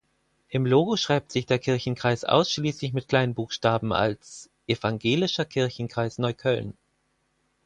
Im Logo schreibt sich der Kirchenkreis ausschließlich mit Kleinbuchstaben als "evangelischer kirchenkreis neukölln".